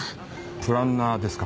プランナーですか？